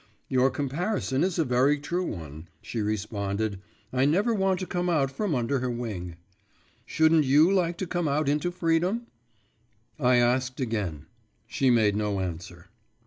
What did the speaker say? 'Your comparison is a very true one,' she responded, 'I never want to come out from under her wing.' 'Shouldn't you like to come out into freedom?' I asked again. She made no answer.